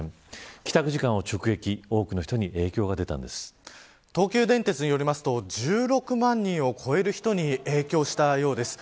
帰宅時間を直撃東急電鉄によりますと１６万人を超える人に影響したようです。